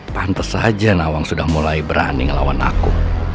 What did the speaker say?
pantes saja nawang sudah mulai berani ngelawan aku